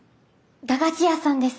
駄菓子屋さんです。